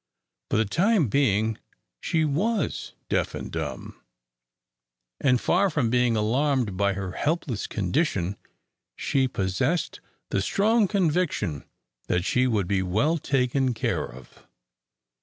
For the time being she was deaf and dumb, and, far from being alarmed by her helpless condition, she possessed the strong conviction that she would be well taken care of.